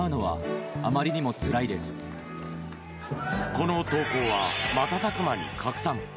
この投稿は瞬く間に拡散。